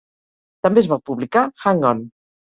També es va publicar "Hang On".